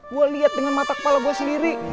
gue lihat dengan mata kepala gue sendiri